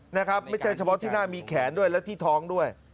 นะครับไม่ใช่เฉพาะที่หน้ามีแขนด้วยและที่ท้องด้วย